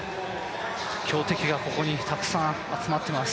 強敵がここにたくさん集まってます。